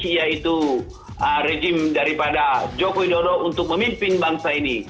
yaitu rejim daripada joko widodo untuk memimpin bangsa ini